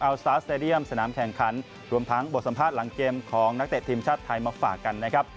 เอาสตาร์สเตดียมสนามแข่งขันรวมทั้งบทสัมภาษณ์หลังเกมของนักเตะทีมชาติไทยมาฝากกันนะครับ